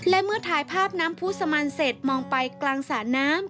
และเมื่อถ่ายภาพน้ำผู้สมันเสร็จมองไปกลางสระน้ำ